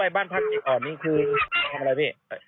ส่องโดนแหลงในครอบครัว